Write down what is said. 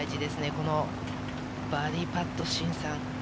このバーディーパット、シンさん。